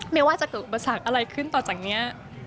ไม่ว่าจะเกิดอุปสรรคอะไรขึ้นต่อจากนี้